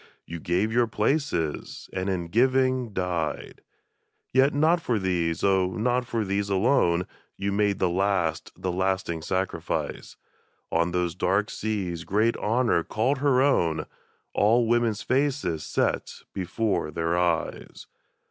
You gave your places, and in giving died ! Yet not for these, oh, not for these alone. You made the last, the lasting sacrifice ! On those dark seas great Honor called her own, All women's faces set before their eyes!